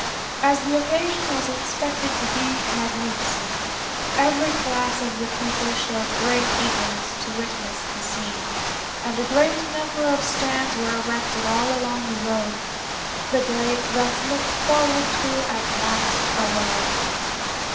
As the occasion was expected to be magnificent, every class of the people showed great eagerness to witness the scene, and a great number of stands were erected all along the road. The day thus looked forward to at last arrived.